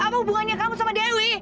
apa hubungannya kamu sama dewi